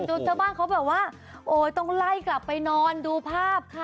ชาวบ้านเขาแบบว่าโอ๊ยต้องไล่กลับไปนอนดูภาพค่ะ